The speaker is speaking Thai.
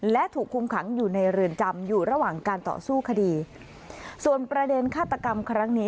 และถูกคุมขังอยู่ในเรือนจำอยู่ระหว่างการต่อสู้คดีส่วนประเด็นฆาตกรรมครั้งนี้